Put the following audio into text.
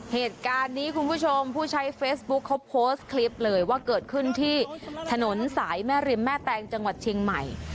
เหตุการณ์นี้คุณผู้ชมผู้ใช้เฟซบุ๊คเขาโพสต์คลิปเลยว่าเกิดขึ้นที่ถนนสายแม่ริมแม่แตงจังหวัดเชียงใหม่